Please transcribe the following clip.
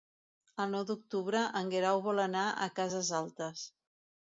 El nou d'octubre en Guerau vol anar a Cases Altes.